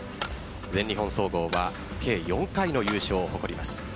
全日本総合は計４回の優勝を誇ります。